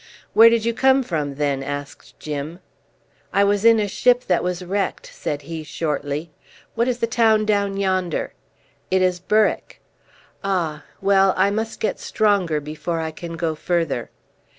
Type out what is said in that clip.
"Where did you come from then?" asked Jim. "I was in a ship that was wrecked," said he shortly. "What is the town down yonder?" "It is Berwick." "Ah! well, I must get stronger before I can go further."